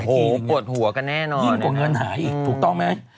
โอ้โหปวดหัวกันแน่นอนยิ่งกว่าเงินหายอีกถูกต้องไหม